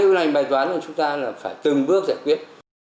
cái bài toán của chúng ta là phải từng bước giải quyết